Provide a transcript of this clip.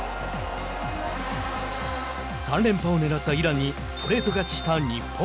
３連覇を狙ったイランにストレート勝ちした日本。